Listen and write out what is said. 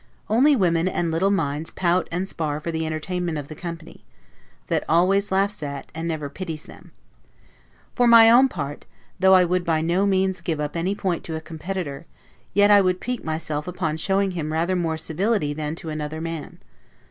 Only women and little minds pout and spar for the entertainment of the company, that always laughs at, and never pities them. For my own part, though I would by no means give up any point to a competitor, yet I would pique myself upon showing him rather more civility than to another man.